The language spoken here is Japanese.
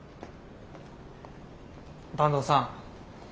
坂東さん